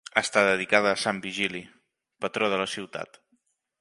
Està dedicada a sant Vigili, patró de la ciutat.